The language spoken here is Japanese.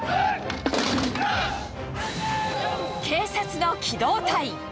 警察の機動隊。